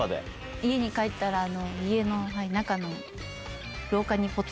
家に帰ったら家の中の。